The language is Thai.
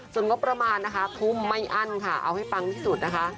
ส่วนงบประมาณนะคะทุ่มไม่อั้นค่ะเอาให้ปังที่สุดนะคะ